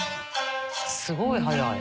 すごい早い。